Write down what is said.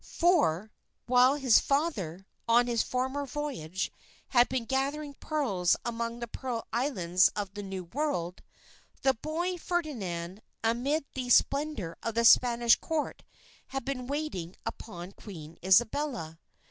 For, while his father, on his former voyage, had been gathering pearls among the Pearl Islands of the New World, the boy Ferdinand, amid the splendour of the Spanish Court, had been waiting upon Queen Isabella.